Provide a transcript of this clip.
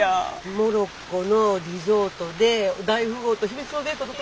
モロッコのリゾートで大富豪と秘密のデートとか！